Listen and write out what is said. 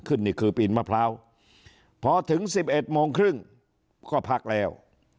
ขึ้นนี่คือปีนมะพร้าวพอถึงสิบเอ็ดโมงครึ่งก็พักแล้ว